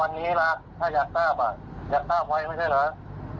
วันนี้ล่ะถ้าอยากทราบอ่ะอยากทราบไว้ไม่ใช่เหรอ